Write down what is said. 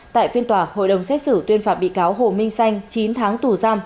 tại phiên tòa hội đồng xét xử tuyên phạt bị cáo hồ minh xanh chín tháng tù giam